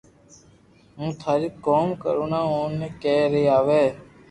ھون ٿاري ڪوم نا آوو تي ڪي ري آوئ